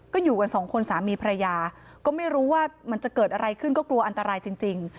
ก็อยู่กันสองคนสามีภรรยาก็ไม่รู้ว่ามันจะเกิดอะไรขึ้นก็กลัวอันตรายจริง